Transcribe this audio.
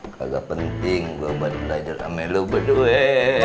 kaget penting gue mau belajar sama lo berdua